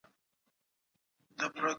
زه الله جل جلاله ته شکر وایم.